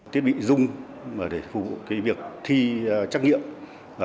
thiết bị dung để phục vụ việc thi trắc nghiệm